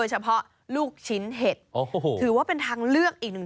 เฉพาะลูกชิ้นเห็ดถือว่าเป็นทางเลือกอีกหนึ่ง